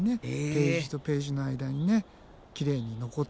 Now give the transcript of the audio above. ページとページの間にきれいに残って。